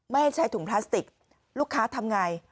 ไม่ให้ใช้ถุงพลาสติกลูกค้าทำไง